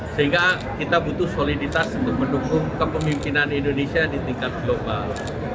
sehingga kita butuh soliditas untuk mendukung kepemimpinan indonesia di tingkat global